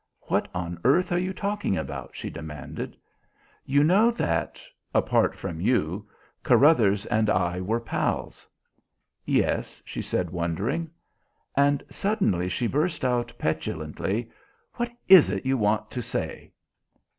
"What on earth are you talking about?" she demanded. "You know that apart from you Carruthers and I were pals?" "Yes," she said wondering. And suddenly she burst out petulantly. "What is it you want to say?"